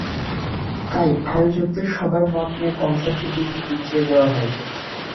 তাই আয়োজকদের সবার মতামত নিয়ে কনসার্টটি দুই দিন পিছিয়ে দেওয়া হয়।